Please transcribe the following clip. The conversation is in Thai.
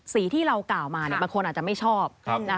สีที่เรากล่าวมาบางคนอาจจะไม่ชอบ